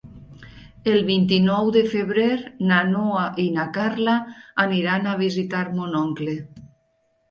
El vint-i-nou de febrer na Noa i na Carla aniran a visitar mon oncle.